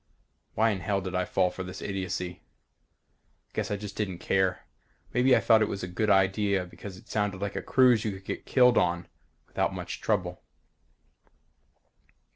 Why in hell did I fall for this idiocy? Guess I just didn't care. Maybe I thought it was a good idea because it sounded like a cruise you could get killed on without much trouble.